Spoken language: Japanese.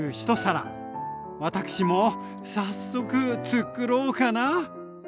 私も早速つくろうかな。